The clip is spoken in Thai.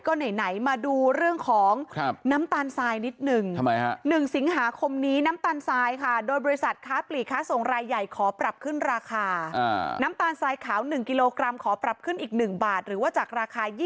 เคยเจอเขาหรอครับเคยเห็นหน้าเขาหรอ